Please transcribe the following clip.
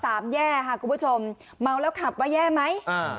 แย่ค่ะคุณผู้ชมเมาแล้วขับว่าแย่ไหมอ่า